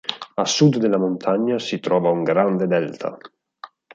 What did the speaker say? A sud della montagna si trova un grande delta.